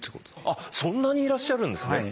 あっそんなにいらっしゃるんですね。